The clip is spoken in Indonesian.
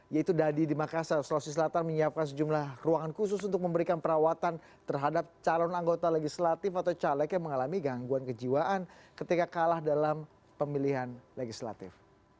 yaitu dadi di makassar sulawesi selatan menyiapkan sejumlah ruangan khusus untuk memberikan perawatan terhadap calon anggota legislatif atau caleg yang mengalami gangguan kejiwaan ketika kalah dalam pemilihan legislatif